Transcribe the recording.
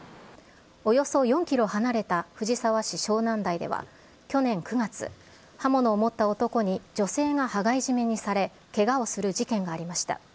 およそ４キロ離れた藤沢市湘南台では、去年９月、刃物を持った男に女性が羽交い締めにされ、けがをする事件がありました。